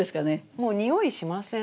もう匂いしません？